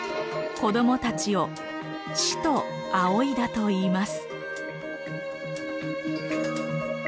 子どもたちを師と仰いだといいます。